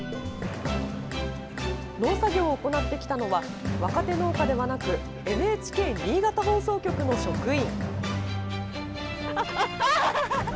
農作業を行ってきたのは若手農家ではなくＮＨＫ新潟放送局の職員。